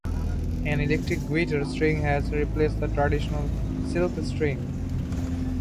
An electric guitar string has replaced the traditional silk string.